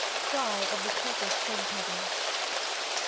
—_Cry of the Turkish fig peddler.